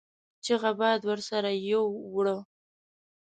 چيغه باد ورسره يو وړه.